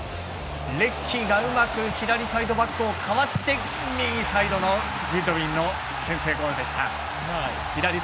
レッキーがうまく左サイドバックをかわして左サイドのグッドウィンの先制ゴールでした。